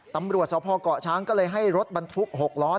ตำรวจสพเกาะช้างก็เลยให้รถบรรทุก๖ล้อ